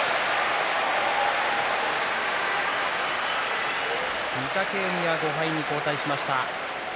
拍手御嶽海は５敗に後退しました。